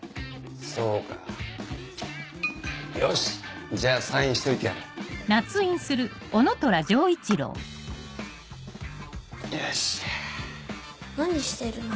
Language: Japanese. そうかよしじゃあサインしといてやるよし何してるの？